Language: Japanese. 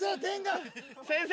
先生！